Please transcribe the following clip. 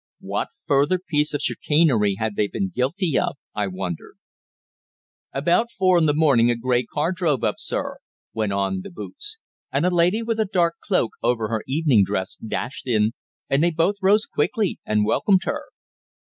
What further piece of chicanery had they been guilty of, I wondered? "About four in the morning a grey car drove up, sir," went on the boots, "and a lady with a dark cloak over her evening dress dashed in, and they both rose quickly and welcomed her.